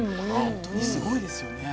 本当にすごいですよね。